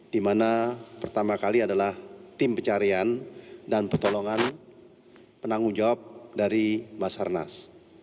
di mana pertama kali adalah tim pencarian dan pertolongan penanggung jawab dari basarnas